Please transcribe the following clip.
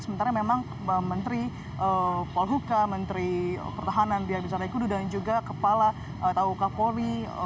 sementara memang menteri polhuka menteri pertahanan biar bisa rekudu dan juga kepala tauka poli